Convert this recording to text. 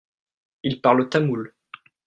Ils parlent tamoul.